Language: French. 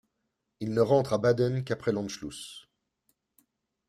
Il ne rentre à Baden qu'après l'Anschluss.